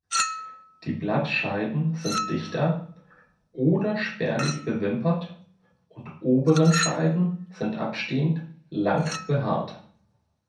Die Blattscheiden sind dichter oder spärlich bewimpert und oberen Scheiden sind abstehend lang behaart.